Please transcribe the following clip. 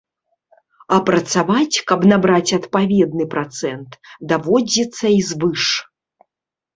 А працаваць, каб набраць адпаведны працэнт, даводзіцца і звыш.